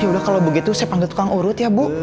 sudah kalau begitu saya panggil tukang urut ya bu